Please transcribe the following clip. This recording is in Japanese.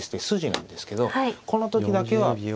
筋なんですけどこの時だけは。